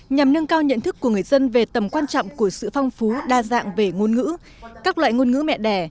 nhằm nâng cao nhận thức của người dân về tầm quan trọng của sự phong phú đa dạng về ngôn ngữ các loại ngôn ngữ mẹ đẻ